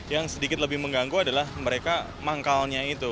yang sedikit lebih mengganggu adalah mereka manggalnya itu